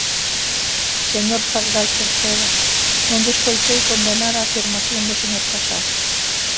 Señor Pardal Cerceda, non lle escoitei condenar a afirmación do señor Casado.